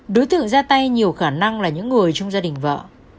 đối tượng ra tay nhiều khả năng là những người trong gia đình vợ